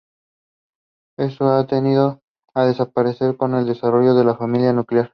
Esto ha tendido a desaparecer, con el desarrollo de la familia nuclear.